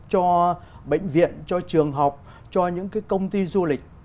cho bệnh viện cho trường học cho những cái công ty du lịch